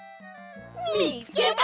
みつけた！